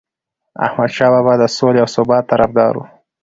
احمدشاه بابا د سولې او ثبات طرفدار و.